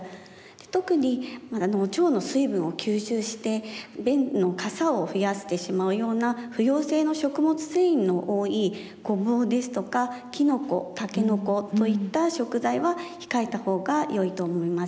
特に腸の水分を吸収して便のかさを増やしてしまうような不溶性の食物繊維の多いごぼうですとかきのこ竹の子といった食材は控えたほうがよいと思います。